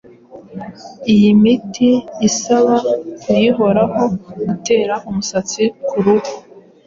Iyi miti isaba kuyihoraho ,gutera umusatsi ku ruhu